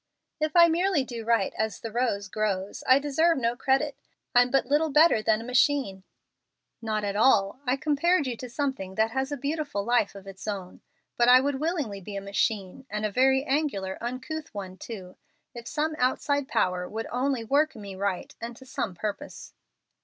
"If I merely do right as the rose grows, I deserve no credit. I'm but little better than a machine." "Not at all. I compared you to something that has a beautiful life of its own. But I would willingly be a machine, and a very angular, uncouth one too, if some outside power would only work me right and to some purpose."